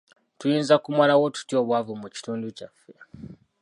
Tuyinza kumalawo tutya obwavu mu kitundu kyaffe.